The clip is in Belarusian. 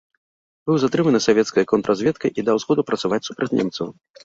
Быў затрыманы савецкай контрразведкай і даў згоду працаваць супраць немцаў.